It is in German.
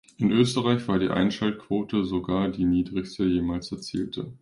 In Österreich war die Einschaltquote sogar die niedrigste jemals erzielte.